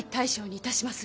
いたしまする。